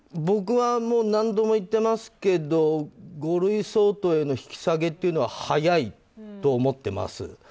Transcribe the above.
僕は何度も言ってますけど五類相当への引き下げというのは早いと思ってます。